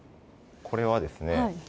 これはですね。